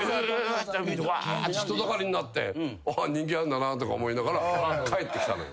人だかりになって人気あるんだなとか思いながら帰ってきたのよ。